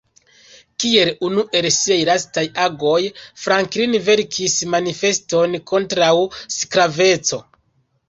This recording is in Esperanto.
Kiel unu el siaj lastaj agoj, Franklin verkis manifeston kontraŭ sklaveco.